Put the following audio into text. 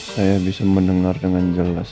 saya bisa mendengar dengan jelas